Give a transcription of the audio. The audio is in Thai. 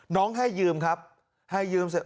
น้องให้ยืมครับให้ยืมเสร็จ